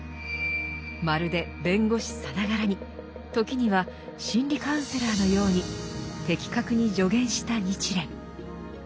まるで弁護士さながらに時には心理カウンセラーのように的確に助言した日蓮。